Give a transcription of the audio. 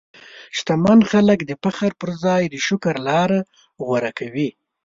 شتمن خلک د فخر پر ځای د شکر لاره غوره کوي.